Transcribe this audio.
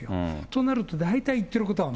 となると、大体言ってることは、